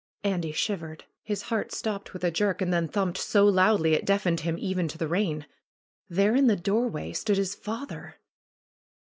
Andy shivered. His heart stopped with 32 ANDY'S VISION a jerk and then thumped so loudly it deafened him even to the rain. There in the doorway stood his father